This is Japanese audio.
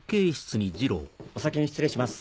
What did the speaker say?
お先に失礼します。